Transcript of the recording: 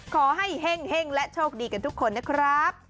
ขอให้เฮ่งและโชคดีกันทุกคนนะครับ